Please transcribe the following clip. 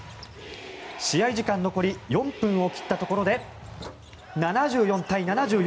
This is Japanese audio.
試合時間残り４分を切ったところで７４対７４。